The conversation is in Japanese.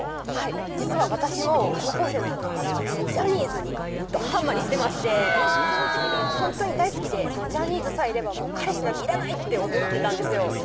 実は私も高校生の頃からジャニーズにどはまりしてましてへぇほんとに大好きでジャニーズさえいれば彼氏なんていらないって思ってたんですよ